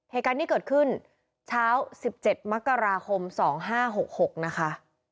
เหตุการณ์ที่เกิดขึ้นเช้า๑๗มกราคม๒๕๖๖นะคะ